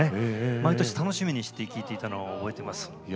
毎年楽しみにして聴いていたのを覚えています。